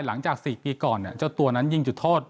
หลังจาก๔ปีก่อนเจ้าตัวนั้นยิงจุดโทษ